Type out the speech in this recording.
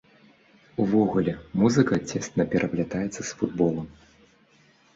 Увогуле музыка цесна пераплятаецца з футболам.